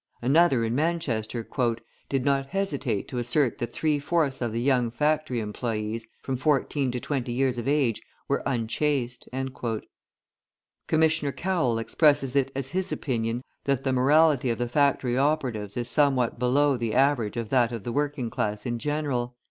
{148c} Another, in Manchester, "did not hesitate to assert that three fourths of the young factory employees, from fourteen to twenty years of age, were unchaste." {149a} Commissioner Cowell expresses it as his opinion, that the morality of the factory operatives is somewhat below the average of that of the working class in general.